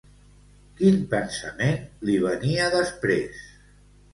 Quin pensament li venia després?